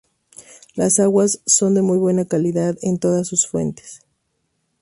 Las aguas son de muy buena calidad en todas sus fuentes.